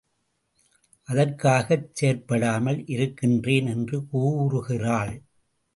அதற்காகச் செயற்படாமல் இருக்கின்றேன் என்று கூறுகிறாள்.